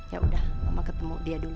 ya udah mama ketemu dia dulu